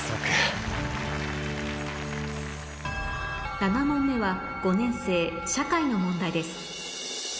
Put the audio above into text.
７問目は５年生社会の問題です